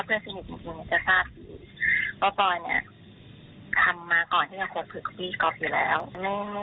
เรื่องนั้นก็ไม่ทราบว่าที่เขาไปสัมภาษณ์มา